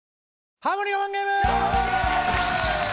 ハモリ我慢ゲーム！